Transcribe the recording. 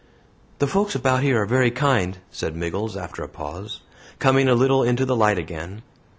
"The folks about here are very kind," said Miggles, after a pause, coming a little into the light again.